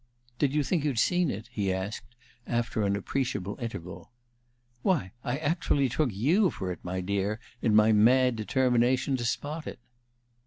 "Did you think you'd seen it?" he asked, after an appreciable interval. "Why, I actually took you for it, my dear, in my mad determination to spot it!"